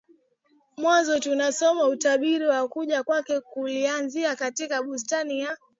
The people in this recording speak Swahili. Mwanzo tunasoma utabiri wa kuja kwake ulianzia katika bustani ya